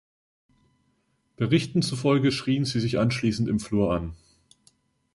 Berichten zufolge schrien sie sich anschließend im Flur an.